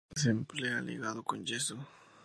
Se emplea ligado con yeso.